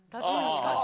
確かに。